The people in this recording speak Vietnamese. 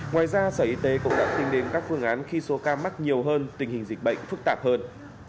ngoài ra sở y tế cũng đã tính đến các phương án khi số ca mắc nhiều hơn tình hình dịch bệnh phức tạp hơn